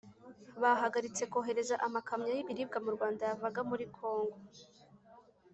bahagaritse kohereza amakamyo y’ibiribwa mu Rwanda yavaga muri Kongo.